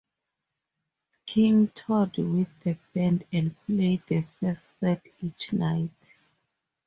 King toured with the band and played the first set each night.